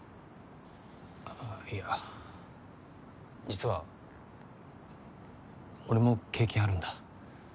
あぁいや実は俺も経験あるんだ。